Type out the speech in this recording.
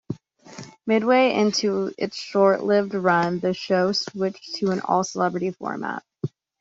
Midway into its short-lived run, the show switched to an all-celebrity format.